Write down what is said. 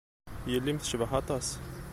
Yelli-m tecbeḥ aṭas.